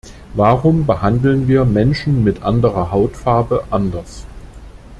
Warum behandeln wir Menschen mit anderer Hautfarbe anders?